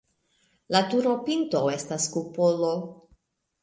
La turopinto estas kupolo.